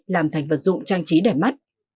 làm thành vật dụng trang trí đẹp mắt